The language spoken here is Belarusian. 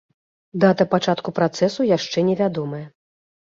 Дата пачатку працэсу яшчэ невядомая.